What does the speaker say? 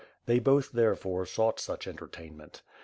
They both, therefore, sought such entertain ment.